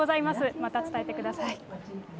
また伝えてください。